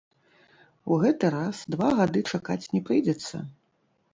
У гэты раз два гады чакаць не прыйдзецца?